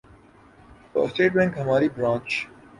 تو state bank ہماری branch